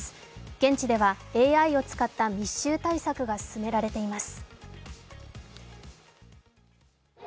現地ではＡＩを使った密集対策が行われています。